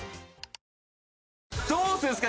どうするんですか？